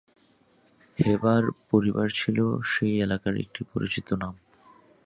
Haber পরিবার ছিল সেই এলাকার একটি পরিচিত নাম।